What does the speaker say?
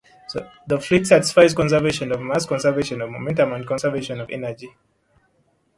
The fluid satisfies conservation of mass, conservation of momentum and conservation of energy.